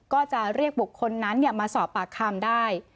ก็จะเรียกบุคคลนั้นมาสอบปากคำได้